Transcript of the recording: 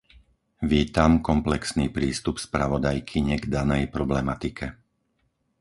Vítam komplexný prístup spravodajkyne k danej problematike.